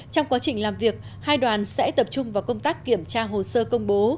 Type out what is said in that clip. trong quá trình làm việc hai đoàn sẽ tập trung vào công tác kiểm tra hồ sơ công bố